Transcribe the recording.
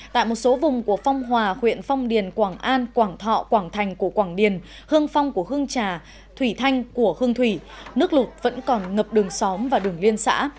tại một số vùng của phong hòa huyện phong điền quảng an quảng thọ quảng thành của quảng điền hương phong của hương trà thủy thanh của hương thủy nước lụt vẫn còn ngập đường xóm và đường liên xã